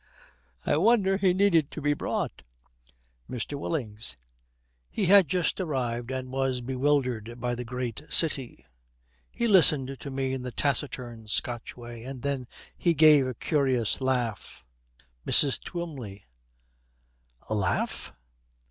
'I wonder he needed to be brought.' MR. WILLINGS. 'He had just arrived, and was bewildered by the great city. He listened to me in the taciturn Scotch way, and then he gave a curious laugh.' MRS. TWYMLEY. 'Laugh?' MR.